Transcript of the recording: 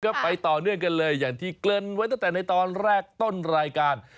ก็ไปต่อเนื่องกันเลยอย่างที่เกริ่นไว้ตั้งแต่ในตอนแรกต้นรายการ